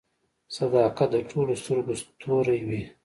• صداقت د ټولو د سترګو ستوری وي.